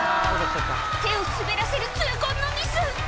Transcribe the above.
手を滑らせる痛恨のミス